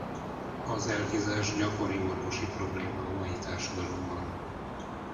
Az elhízás gyakori orvosi probléma a mai társadalomban.